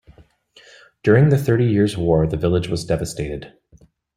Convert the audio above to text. During the Thirty Years' War the village was devastated.